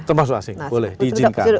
termasuk asing boleh diizinkan